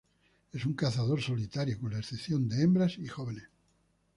Es un cazador solitario, con la excepción de hembras y jóvenes.